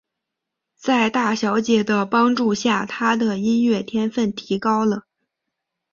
在大小姐的帮助下他的音乐天份提高了。